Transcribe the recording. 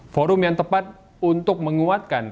forum yang tepat untuk menguatkan